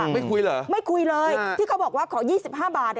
ไม่คุยเหรอไม่คุยเลยที่เขาบอกว่าขอ๒๕บาท